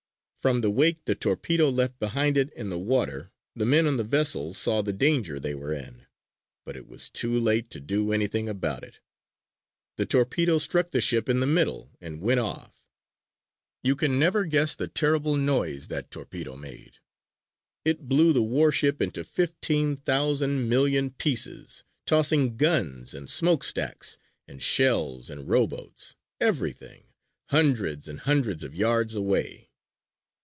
From the wake the torpedo left behind it in the water the men on the vessel saw the danger they were in, but it was too late to do anything about it. The torpedo struck the ship in the middle, and went off. You can never guess the terrible noise that torpedo made. It blew the warship into fifteen thousand million pieces, tossing guns, and smokestacks, and shells and rowboats everything, hundreds and hundreds of yards away.